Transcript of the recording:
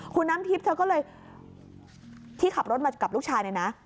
คุณน้ำทิพย์เธอก็เลยที่ขับรถมากับลูกชายเนี่ยนะ